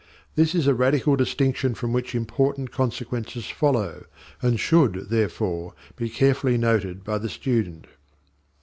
This is a radical distinction from which important consequences follow, and should, therefore, be carefully noted by the student.